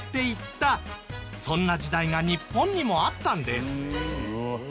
そんな時代が日本にもあったんです。